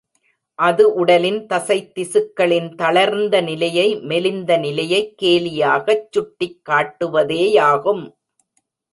அது உடலின் தசைத்திசுக்களின் தளர்ந்த நிலையை மெலிந்த நிலையைக் கேலியாகச் சுட்டிக் காட்டுவதேயாகும்.